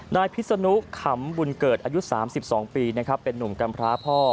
นายพิศนุขำบุญเกิดอายุ๓๒ปีเป็นนุ่มกำพร้าพ่อ